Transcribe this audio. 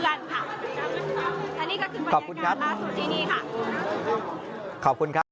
และนี่ก็คือบรรยากาศล่าสุดที่นี่ค่ะขอบคุณครับ